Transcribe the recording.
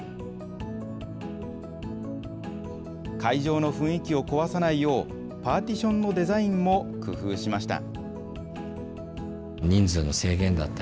会場の雰囲気を壊さないよう、パーティションのデザインも工夫しました。